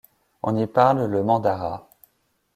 On y parle le mandara.